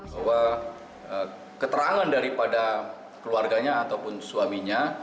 bahwa keterangan daripada keluarganya ataupun suaminya